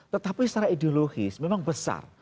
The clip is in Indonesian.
tetapi secara ideologis memang besar